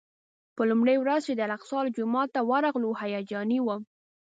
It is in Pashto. په لومړۍ ورځ چې د الاقصی جومات ته ورغلو هیجاني وم.